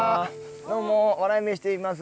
どうも笑い飯といいます。